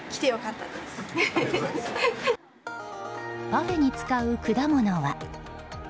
パフェに使う果物は。